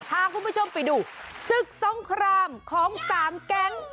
พาคุณผู้ชมไปดูศึกสงครามของ๓แก๊ง